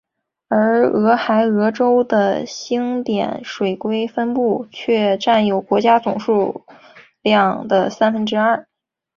而俄亥俄州的星点水龟分布却占有国家总数量的三分之二。